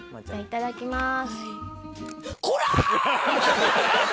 いただきます。